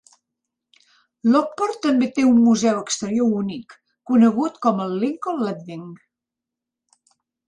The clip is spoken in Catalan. Lockport també té un museu exterior únic conegut com el Lincoln Landing.